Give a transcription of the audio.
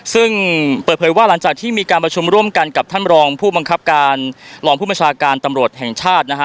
ซึ่งเปิดเผยว่าหลังจากที่มีการประชุมร่วมกันกับท่านรองผู้บังคับการรองผู้บัญชาการตำรวจแห่งชาตินะฮะ